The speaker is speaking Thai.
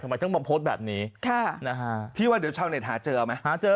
ทำไมต้องมาโพสต์แบบนี้ค่ะนะฮะพี่ว่าเดี๋ยวชาวเน็ตหาเจอไหมหาเจอ